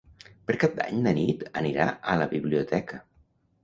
Per Cap d'Any na Nit anirà a la biblioteca.